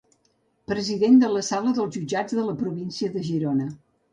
President de la Sala dels jutjats de la província de Girona.